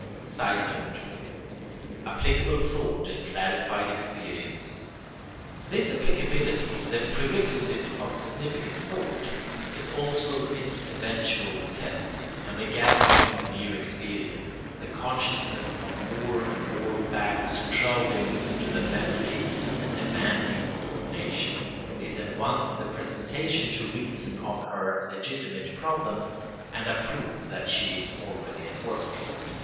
[Sidenote: Applicable thought and clarified experience.] This applicability, the prerequisite of significant thought, is also its eventual test; and the gathering of new experiences, the consciousness of more and more facts crowding into the memory and demanding co ordination, is at once the presentation to reason of her legitimate problem and a proof that she is already at work.